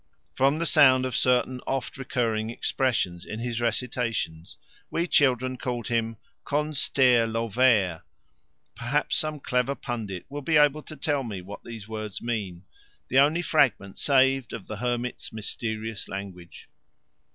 From the sound of certain oft recurring expressions in his recitations we children called him "Con stair Lo vair"; perhaps some clever pundit will be able to tell me what these words mean the only fragment saved of the hermit's mysterious language.